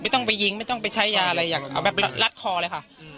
ต้องไปยิงไม่ต้องไปใช้ยาอะไรอยากเอาแบบไปรัดคอเลยค่ะ